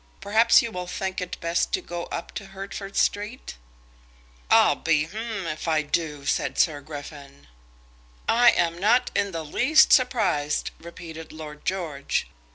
Perhaps you will think it best to go up to Hertford Street?" "I'll be if I do," said Sir Griffin. "I am not in the least surprised," repeated Lord George.